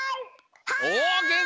おげんき！